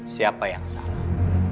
siapa yang salah